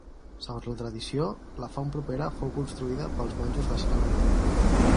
Segons la tradició, la font propera fou construïda pels monjos d'Escala Dei.